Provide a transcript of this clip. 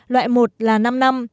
loại một là năm năm